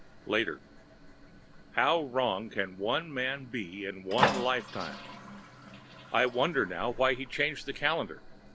Later How wrong can one man be in one lifetime? I wonder now why he changed the calendar.